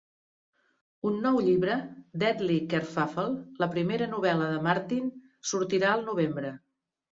Un nou llibre, "Deadly Kerfuffle", la primera novel·la de Martin, sortirà al novembre.